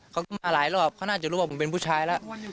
เขามาหลายรอบเขาน่าจะรู้ว่าผมเป็นผู้ชายแล้ว